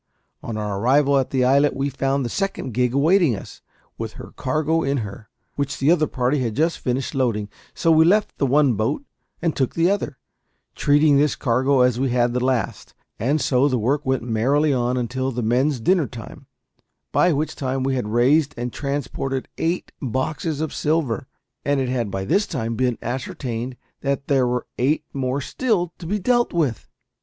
On our arrival at the islet we found the second gig awaiting us, with her cargo in her, which the other party had just finished loading; so we left the one boat, and took the other, treating this cargo as we had the last; and so the work went merrily on until the men's dinner time, by which time we had raised and transported eight boxes of silver. And it had by this time been ascertained that there were eight more still to be dealt with!